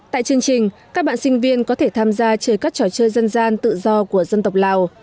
tại chương trình các bạn sinh viên có thể tham gia chơi các trò chơi dân gian tự do của dân tộc lào